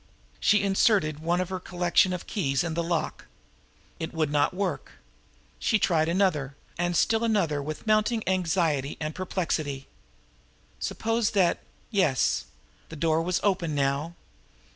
She inserted one of her collection of keys in the lock. It would not work. She tried another, and still another with mounting anxiety and perplexity. Suppose that yes! The door was open now!